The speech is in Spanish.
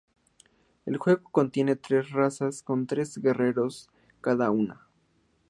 El juego contiene tres razas con tres guerreros cada una.